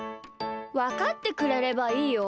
わかってくれればいいよ。